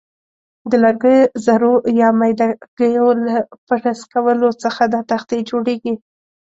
د لرګیو ذرو یا میده ګیو له پرس کولو څخه دا تختې جوړیږي.